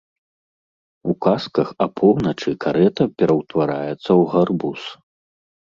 У казках апоўначы карэта пераўтвараецца ў гарбуз.